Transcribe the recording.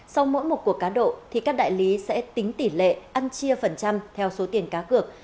sau mỗi một cuộc cá độ các đại lý sẽ tính tỷ lệ ăn chia phần trăm theo số tiền cá cược